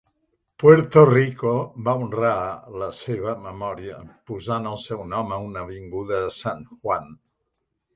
Puerto Rico va honrar la seva memòria posant el seu nom a una avinguda de San Juan.